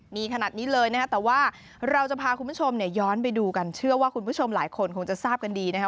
มีขนาดนี้เลยนะครับแต่ว่าเราจะพาคุณผู้ชมเนี่ยย้อนไปดูกันเชื่อว่าคุณผู้ชมหลายคนคงจะทราบกันดีนะครับ